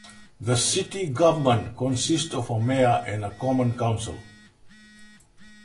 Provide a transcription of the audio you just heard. The city government consists of a mayor and a common council.